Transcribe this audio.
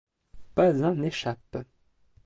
Pas un n'échappe.